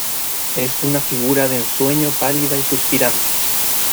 es una figura de ensueño pálida y suspirante